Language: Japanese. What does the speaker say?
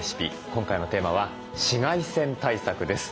今回のテーマは紫外線対策です。